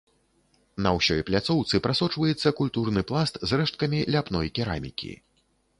На ўсёй пляцоўцы прасочваецца культурны пласт з рэшткамі ляпной керамікі.